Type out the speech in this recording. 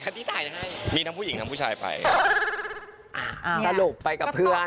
อันนี้สุดคือพี่อาร์ดบอกว่าใส่ข้างในไว้แล้ว